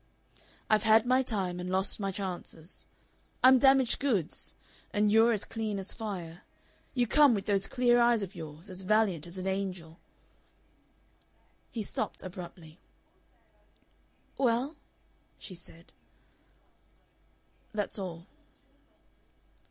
I've had my time and lost my chances. I'm damaged goods. And you're as clean as fire. You come with those clear eyes of yours, as valiant as an angel...." He stopped abruptly. "Well?" she said. "That's all."